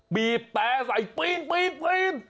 ปี๊บแปรใส่ปี๊บ